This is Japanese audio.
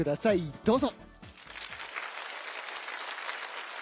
どうぞ。